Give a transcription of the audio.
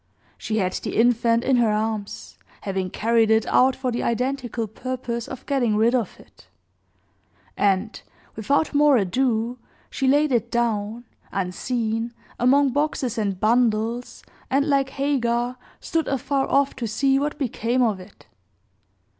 She had the infant in her arms, having carried it out for the identical purpose of getting rid of it; and, without more ado, she laid it down, unseen, among boxes and bundles, and, like Hagar, stood afar off to see what became of it.